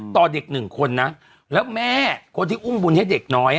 ต่อเด็กหนึ่งคนนะแล้วแม่คนที่อุ้มบุญให้เด็กน้อย